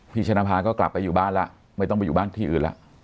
ชนะภาก็กลับไปอยู่บ้านแล้วไม่ต้องไปอยู่บ้านที่อื่นแล้ว